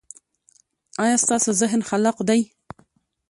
ایا ستاسو ذهن خلاق دی؟